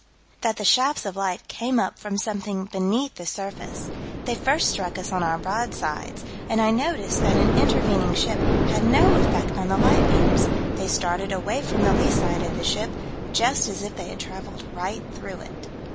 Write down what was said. That the shafts of light came up from something beneath the surface "They first struck us on our broadside, and I noticed that an intervening ship had no effect on the light beams: they started away from the lee side of the ship, just as if they had traveled right through it."